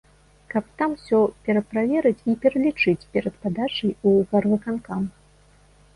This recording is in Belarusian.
Каб там усё пераправерыць і пералічыць перад падачай у гарвыканкам.